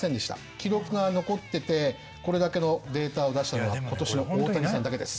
記録が残っててこれだけのデータを出したのはことしの大谷さんだけです。